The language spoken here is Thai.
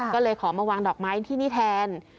ก็เลยขอมาวางดอกไม้ที่นี่แทน